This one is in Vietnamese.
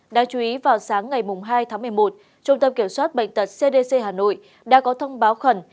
đáng chú ý vào sáng ngày hai tháng một mươi một trung tâm kiểm soát bệnh tật cdc hà nội đã có thông báo khẩn